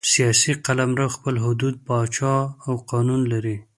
سیاسي قلمرو خپل حدود، پاچا او قانون لري.